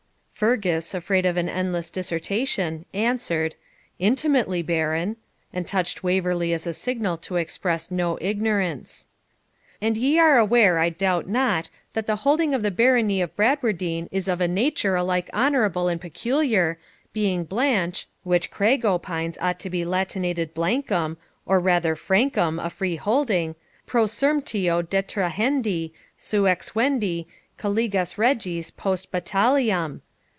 Fergus, afraid of an endless dissertation, answered, 'Intimately, Baron,' and touched Waverley as a signal to express no ignorance. 'And ye are aware, I doubt not, that the holding of the barony of Bradwardine is of a nature alike honourable and peculiar, being blanch (which Craig opines ought to be Latinated blancum, or rather francum, a free holding) pro servitio detrahendi, seu exuendi, caligas regis post battalliam.'